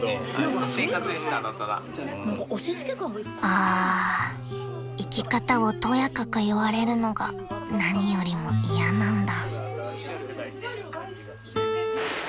［ああ生き方をとやかく言われるのが何よりも嫌なんだ］